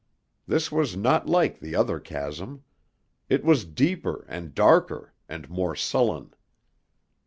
This was not like the other chasm. It was deeper and darker and more sullen.